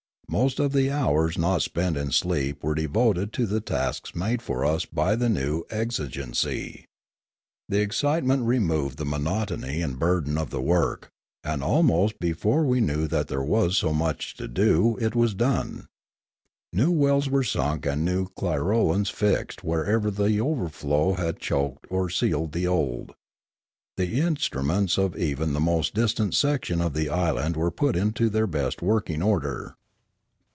Most of the hours not spent in sleep were devoted to the tasks made for us by the new exigency. The excitement removed the monotony and burden of the work, and almost before we knew that there was so much to do it was done. New wells were sunk and new clirolans fixed wherever the overflow had choked or sealed the old. The instruments of even the most distant section of the island were put into their best working order.